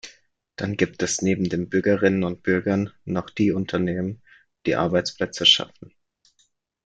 Dann gibt es neben den Bürgerinnen und Bürgern noch die Unternehmen, die Arbeitsplätze schaffen.